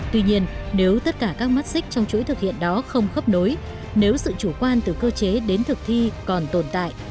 tuy nhiên nếu tất cả các mắt xích trong chuỗi thực hiện đó không khớp nối nếu sự chủ quan từ cơ chế đến thực thi còn tồn tại